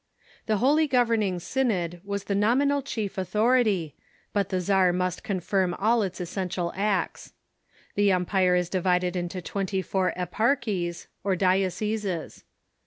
The Holy Governing Synod has the nom inal chief authority, but the czar must confirm all its essential acts. The empire is divided into twenty four eparchies, or dioceses.